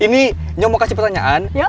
ini yang mau kasih pertanyaan